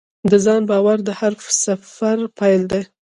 د ځان باور د هر سفر پیل دی.